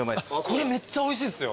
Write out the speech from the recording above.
これめっちゃおいしいっすよ。